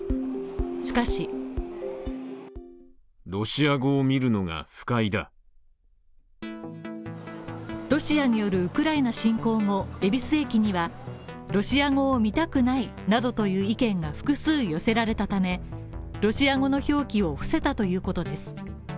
しかしロシアによるウクライナ侵攻後、恵比寿駅にはロシア語を見たくないなどという意見が複数寄せられたためロシア語の表記を伏せたということです。